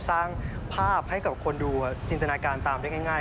สร้างภาพให้กับคนดูจินตนาการตามได้ง่าย